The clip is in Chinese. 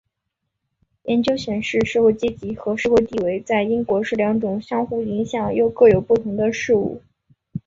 研究显示社会阶级和社会地位在英国是两样相互影响又各有不同的事物。